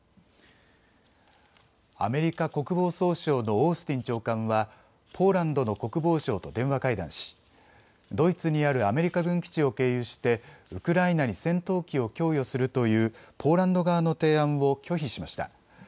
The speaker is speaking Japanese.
アメリカ国防総省のオースティン長官はポーランドの国防相と電話会談し、ドイツにあるアメリカ軍基地を経由してウクライナに戦闘機を供与するというポーランド側の提案を拒否しました。